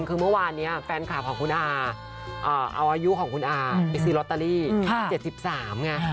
คือเมื่อวานนี้แฟนคลับของคุณอาเอาอายุของคุณอาไปซื้อลอตเตอรี่๗๓ไง